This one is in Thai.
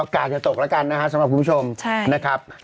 กากจะตกแล้วกันนะฮะสำหรับคุณผู้ชมนะครับ